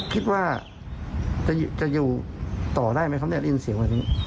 คิดว่าจะอยู่ต่อได้ไหมครับเนี่ยได้ยินเสียงวันนี้